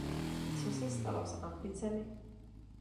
Co se stalo s ambicemi?